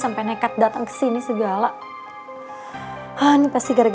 maaf bu ganggu